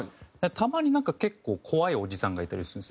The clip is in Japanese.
たまに結構怖いおじさんがいたりするんですよ。